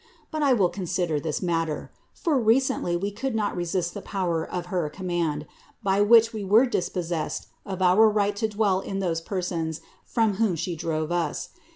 But I will consider this matter; for recently we could not resist the power of her command, by which we were dispossessed of our right to dwell in those per sons from whom She drove us.